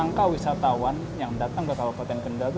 angka wisatawan yang datang ke kabupaten kendal itu